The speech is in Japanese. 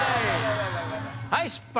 はい失敗